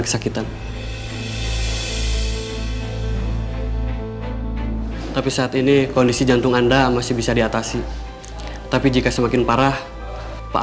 kesakitan tapi saat ini kondisi jantung anda masih bisa diatasi tapi jika semakin parah pak